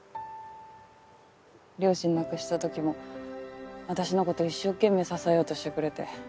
両親亡くした時も私のこと一生懸命支えようとしてくれて。